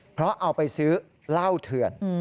เพราะเอาไปซื้อเหล้าเถื่อน